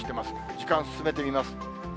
時間進めてみます。